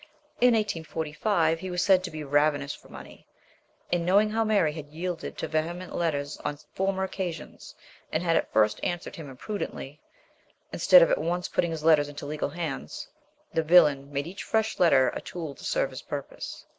In 1845 he was said to be " ravenous for money," and, knowing how Mary had yielded to vehement letters on former occasions, and had at first answered him impru dently, instead of at once putting his letters into legal hands, the villain made each fresh letter a tool to serve his purpose.